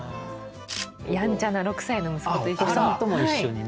やんちゃな６歳の息子と一緒に。